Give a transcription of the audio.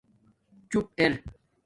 چُپ ار